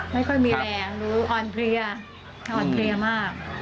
ไม่ค่อยมีแรงรู้อ่อนเพลียอ่อนเพลียมาก